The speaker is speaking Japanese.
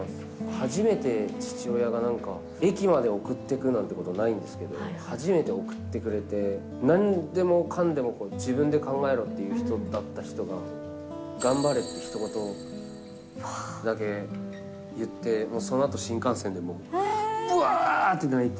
初めて父親がなんか、駅まで送ってくなんてことないんですけど、初めて送ってくれて、なんでもかんでも自分で考えろって言う人だった人が、頑張れってひと言だけ言って、そのあと新幹線で、もう、ばーっと泣いて。